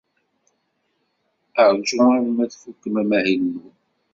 Ad ṛjun arma tfukem amahil-nwen.